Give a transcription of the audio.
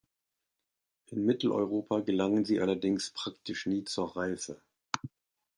In Mitteleuropa gelangen sie allerdings praktisch nie zur Reife.